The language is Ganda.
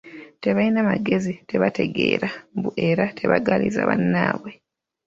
Tebalina magezi, tebategeera, mbu era tebaagaliza bannaabwe.